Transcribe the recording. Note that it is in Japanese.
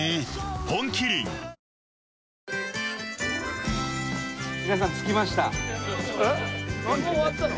本麒麟もう終わったの？